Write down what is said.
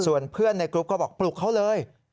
ส่วนเพื่อนในกรุ๊ปก็บอกปลุกเขาเลย